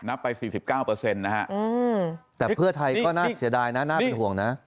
ไป๔๙นะฮะแต่เพื่อไทยก็น่าเสียดายนะน่าเป็นห่วงนะ